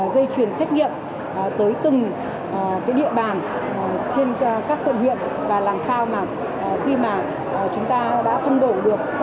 dây chuyền xét nghiệm tới từng cái địa bàn trên các tội huyện và làm sao mà khi mà chúng ta đã phân đổ được